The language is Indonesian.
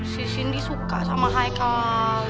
si sini suka sama haikal